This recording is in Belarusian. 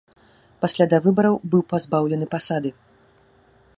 Пасля давыбараў быў пазбаўлены пасады.